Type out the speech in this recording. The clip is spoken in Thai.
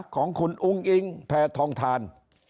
ของคุณอูงอิงแผนทางทาน